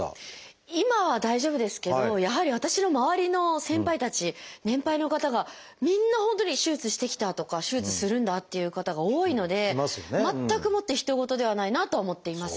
今は大丈夫ですけどやはり私の周りの先輩たち年配の方がみんな本当に手術してきたとか手術するんだっていう方が多いので全くもってひと事ではないなとは思っています。